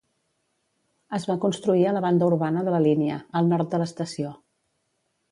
Es va construir a la banda urbana de la línia, al nord de l'estació.